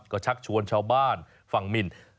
ก็ชักชวนชาวบ้านฝั่งมิน